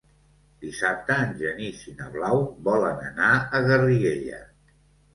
Dissabte en Genís i na Blau volen anar a Garriguella.